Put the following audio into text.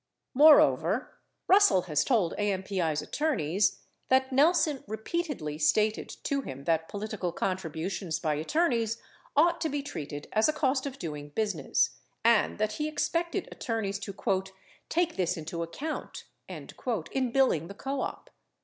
32 Moreover, Russell has told AMPI's attorneys that Nelson repeatedly stated to him that political contributions by attorneys ought to be treated as a cost of doing business and that he expected attorneys to "take this into account" in billing the co op.